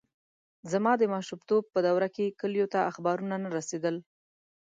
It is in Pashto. زما د ماشومتوب په دوره کې کلیو ته اخبارونه نه رسېدل.